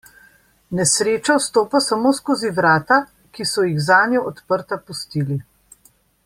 Nesreča vstopa samo skozi vrata, ki so jih zanjo odprta pustili.